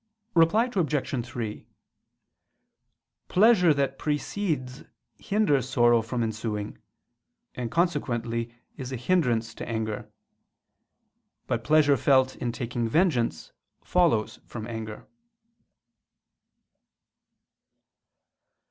Reply Obj. 3: Pleasure that precedes hinders sorrow from ensuing, and consequently is a hindrance to anger. But pleasure felt in taking vengeance follows from anger.